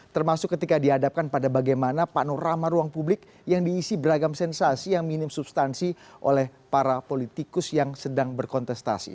termasuk ketika dihadapkan pada bagaimana panorama ruang publik yang diisi beragam sensasi yang minim substansi oleh para politikus yang sedang berkontestasi